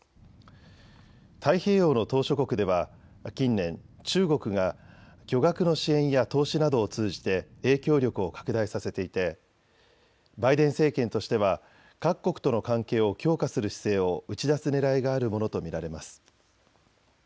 太平洋の島しょ国では近年、中国が巨額の支援や投資などを通じて影響力を拡大させていてバイデン政権としては各国との関係を強化する姿勢を打ち出すねらいがあるものと見られます。